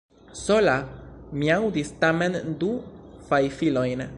Sola!? Mi aŭdis tamen du fajfilojn.